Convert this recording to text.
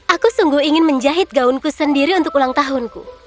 aku sungguh ingin menjahit gaunku sendiri untuk ulang tahunku